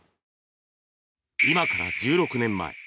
今から１６年前。